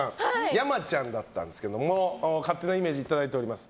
やまちゃんだったんですけれども勝手なイメージいただいています。